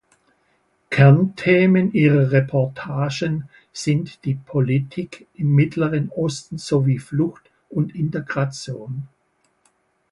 Kernthemen ihrer Reportagen sind die Politik im Mittleren Osten sowie Flucht und Integration.